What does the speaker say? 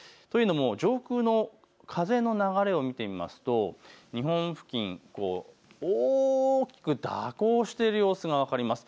上空の風の流れを見てみますと日本付近、大きく蛇行している様子が分かります。